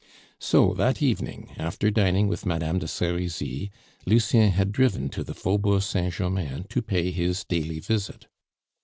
So that evening, after dining with Madame de Serizy, Lucien had driven to the Faubourg Saint Germain to pay his daily visit.